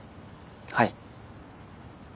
はい。